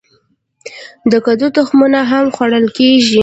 د کدو تخمونه هم خوړل کیږي.